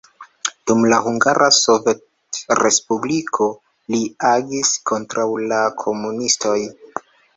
Dum la Hungara Sovetrespubliko li agis kontraŭ la komunistoj.